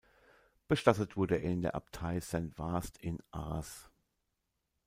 Bestattet wurde er in der Abtei Saint-Vaast in Arras.